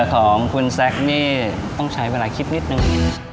ของคุณแซคนี่ต้องใช้เวลาคิดนิดนึง